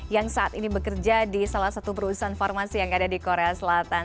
yang saat ini bekerja di salah satu perusahaan farmasi yang ada di korea selatan